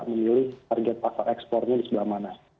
memilih target pasar ekspornya di sebelah mana